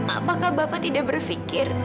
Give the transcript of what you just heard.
apakah bapak tidak berpikir